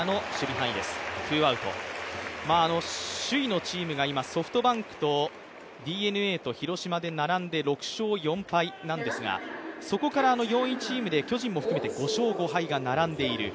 首位のチームが今、ソフトバンクとＤｅＮＡと広島で並んで６勝４敗なんですが、そこから４位チームで巨人も含めて５勝５敗が並んでいる。